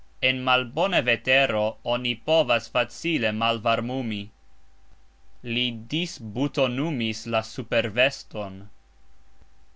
En malbona vetero oni povas facile malvarmumi. Li disbutonumis la superveston.